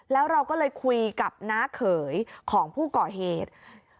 แล้วเราก็เลยคุยกับน้าเขยของผู้ก่อเหตุ